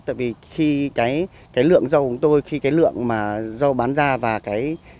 tại vì khi cái lượng rau của tôi khi cái lượng mà rau bán ra